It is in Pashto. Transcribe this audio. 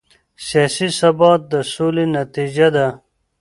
سیاسي ثبات د سولې نتیجه ده